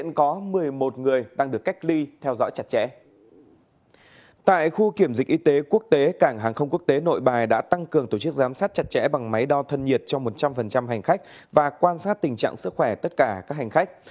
tại khu kiểm dịch y tế quốc tế cảng hàng không quốc tế nội bài đã tăng cường tổ chức giám sát chặt chẽ bằng máy đo thân nhiệt cho một trăm linh hành khách và quan sát tình trạng sức khỏe tất cả các hành khách